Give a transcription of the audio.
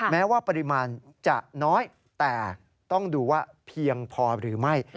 แม้ว่าปริมาณจะน้อยแต่ต้องดูว่าเพียงพอหรือไม่